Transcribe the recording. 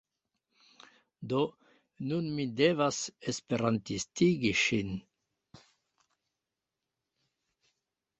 Do, nun mi devas esperantistigi ŝin